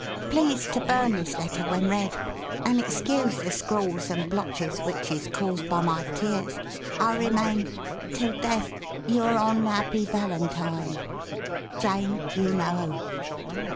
please to Burn this Letter when Red and excuse the scralls and Blotches witch is Caused by my Teers i remain till deth Yure on Happy Vallentine jane you No who.